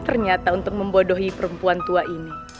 ternyata untuk membodohi perempuan tua ini